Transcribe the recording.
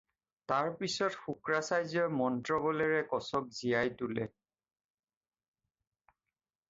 তাৰ পিছত শুক্ৰাচাৰ্য্যই মন্ত্ৰবলেৰে কচক জীয়াই তোলে।